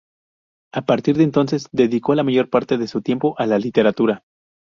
A partir de entonces dedicó la mayor parte de su tiempo a la literatura.